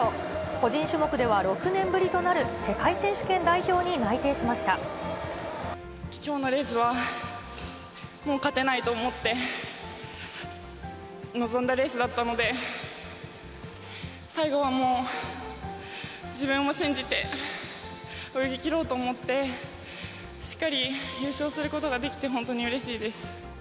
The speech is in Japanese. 個人種目では６年ぶりとなる、きょうのレースは、もう勝てないと思って、臨んだレースだったので、最後はもう、自分を信じて、泳ぎきろうと思って、しっかり優勝することができて、本当にうれしいです。